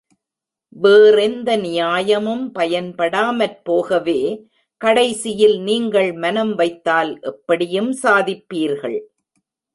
வேறெந்த நியாயமும் பயன்படாமற் போகவே, கடைசியில் நீங்கள் மனம் வைத்தால் எப்படியும் சாதிப்பீர்கள்.